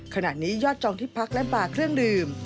ขณะนี้ยอดจองที่พักและป่าเครื่องดื่ม